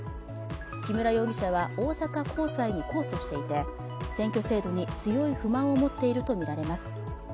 木村容疑者は大阪高裁に控訴していて、選挙制度に強い不満を持っているとみられます。